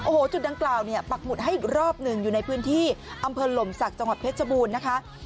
โอ้โหจุดดังกล่าวเนี่ยปักหมุดให้อีกรอบหนึ่งอยู่ในพื้นที่อำเภอหลมศักดิ์จังหวัดเพชรบูรณ์นะคะ